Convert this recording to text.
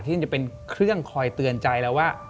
ที่จะเป็นเครื่องคอยเตือนใจแล้วว่า